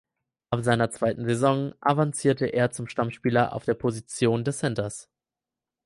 Ab seiner zweiten Saison avancierte er zum Stammspieler auf der Position des Centers.